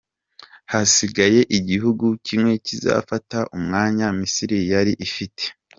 Hasigaye igihugu kimwe kizafata umwanya Misiri yari ifite.